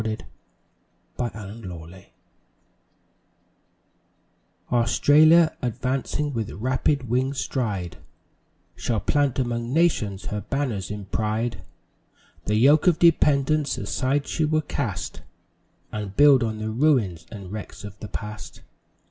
The Far Future Australia, advancing with rapid winged stride, Shall plant among nations her banners in pride, The yoke of dependence aside she will cast, And build on the ruins and wrecks of the Past.